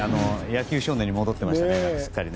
野球少年に戻ってましたね。